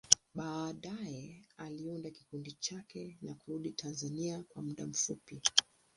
Baadaye, aliunda kikundi chake na kurudi Tanzania kwa muda mfupi.